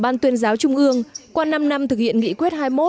ban tuyên giáo trung ương qua năm năm thực hiện nghị quyết hai mươi một